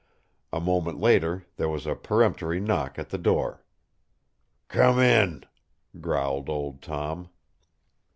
A moment later there was a peremptory knock at the door. "Come in!" growled Old Tom.